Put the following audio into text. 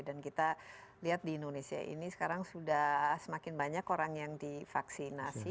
dan kita lihat di indonesia ini sekarang sudah semakin banyak orang yang divaksinasi